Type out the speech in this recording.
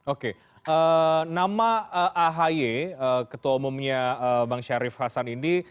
oke nama ahae ketua umumnya bang syarif hasan indi